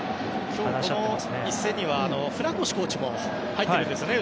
この１戦には船越コーチも入ってるんですよね。